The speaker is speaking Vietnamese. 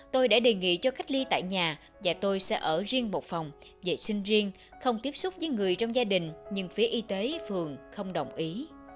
tôi đã đề nghị cho cách ly tại nhà và tôi sẽ ở riêng một phòng vệ sinh riêng không tiếp xúc với người trong gia đình nhưng phía y tế phường không đồng ý